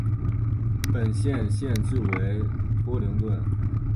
本县县治为托灵顿。